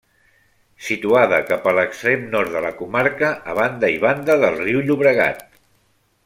Situada cap a l'extrem nord de la comarca, a banda i banda del riu Llobregat.